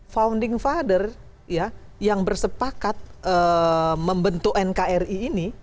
founding father yang bersepakat membentuk nkri ini